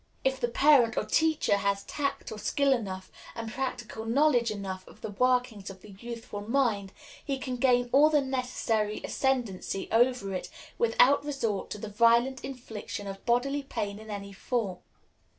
If the parent or teacher has tact or skill enough, and practical knowledge enough of the workings of the youthful mind, he can gain all the necessary ascendency over it without resort to the violent infliction of bodily pain in any form.